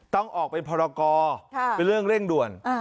ต้องออกเป็นพรกรเป็นเรื่องเร่งด่วน